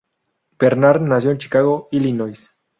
Bernard nació en Chicago, Illinois.